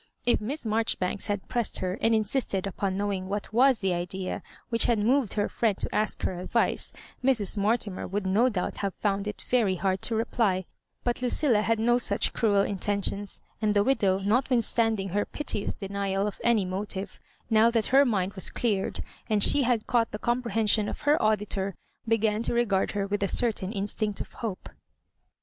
If Miss Maijoribanks had pressed her, and insist ed upon knowing what was the idea which had moved her friend to ask her advice, Mrs. Morti mer would no doubt have found it very hard to reply ; but Lucilla had no such cruel intentions ; and the widow, notwithstanding her piteous denial of any motive, now that her mind was cleared, and she had caught the comprehension of her auditor, began to regard her with a cer tain instinct of hope.